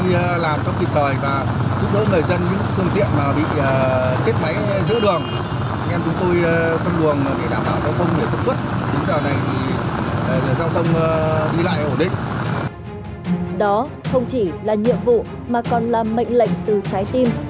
đó không chỉ là nhiệm vụ mà còn là mệnh lệnh từ trái tim